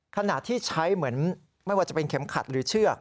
ขณะที่ใช้เหมือนไม่ว่าจะเป็นเข็มขัดหรือเชือก